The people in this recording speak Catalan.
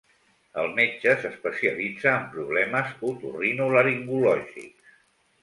El metge s'especialitza en problemes otorrinolaringològics.